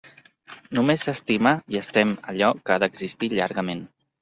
Només s'estima i es tem allò que ha d'existir llargament.